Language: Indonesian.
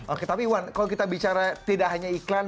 oke tapi iwan kalau kita bicara tidak hanya iklan